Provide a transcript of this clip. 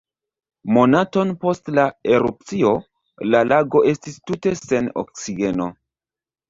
Monaton post la erupcio, la lago estis tute sen oksigeno.